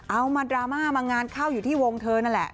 เอามาดราม่ามางานเข้าอยู่ที่วงเธอนั่นแหละ